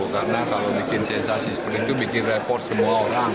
karena kalau bikin sensasi seperti itu bikin repot semua orang